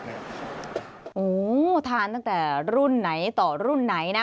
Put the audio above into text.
โอ้โหทานตั้งแต่รุ่นไหนต่อรุ่นไหนนะ